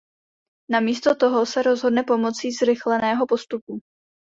Namísto toho se rozhodne pomocí zrychleného postupu.